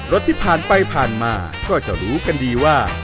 รถที่ผ่านไปผ่านมาก็จะรู้กันดีว่า